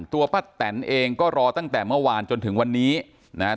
ป้าแตนเองก็รอตั้งแต่เมื่อวานจนถึงวันนี้นะฮะ